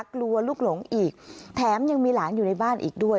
กลัวลูกหลงอีกแถมยังมีหลานอยู่ในบ้านอีกด้วย